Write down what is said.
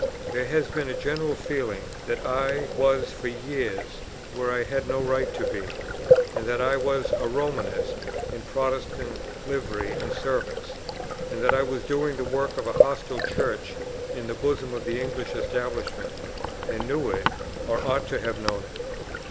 There has been a general feeling that I was for years where I had no right to be; that I was a "Romanist" in Protestant livery and service; that I was doing the work of a hostile Church in the bosom of the English Establishment, and knew it, or ought to have known it.